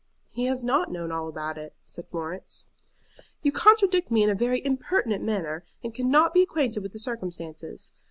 "He has not known all about it," said Florence. "You contradict me in a very impertinent manner, and cannot be acquainted with the circumstances.